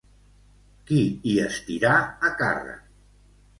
Qui hi estirà a càrrec?